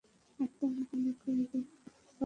একদম গুলি করে দেব, বালক।